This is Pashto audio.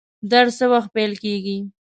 درس څه وخت پیل کیږي؟